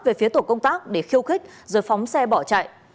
về phía tổ công tác để khiêu khích rồi phóng xe bỏ chạy